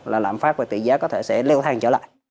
là lạm phát và tỷ giá có thể sẽ leo thang trở lại